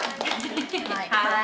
はい。